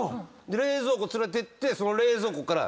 冷蔵庫連れてってその冷蔵庫から。